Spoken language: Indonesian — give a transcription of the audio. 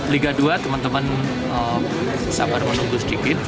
liga dua teman teman sabar menunggu sedikit